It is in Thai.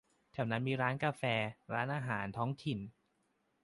แถวนั้นมีร้านกาแฟ ร้านอาหารท้องถิ่น